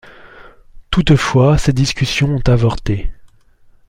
Toutefois ces discussions ont avorté.